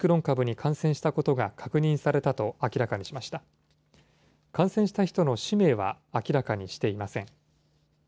感染した人の氏名は明らかにしていません。